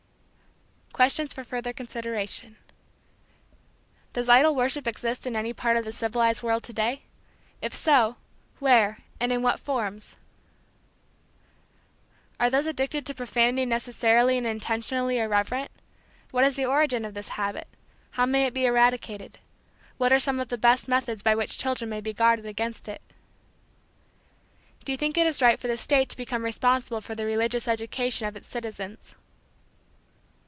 Questions for Further Consideration. Does idol worship exist in any part of the civilized world to day? If so, where and in what forms? Are those addicted to profanity necessarily and intentionally irreverent? What is the origin of this habit? How may it be eradicated? What are some of the best methods by which children may be guarded against it? Do you think it is right for the state to become responsible for the religious education of its citizens?